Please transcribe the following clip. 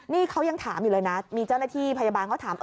นี่เขายังถามอยู่เลยนะมีเจ้าหน้าที่พยาบาลเขาถาม